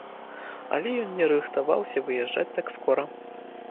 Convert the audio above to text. Але ён не рыхтаваўся выязджаць так скора.